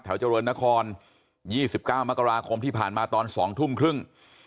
เจริญนคร๒๙มกราคมที่ผ่านมาตอน๒ทุ่มครึ่ง